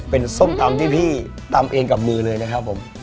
เป็นส้มตำที่พี่ตำเองกับมือเลยนะครับผม